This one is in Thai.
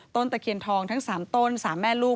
ตะเคียนทองทั้ง๓ต้น๓แม่ลูก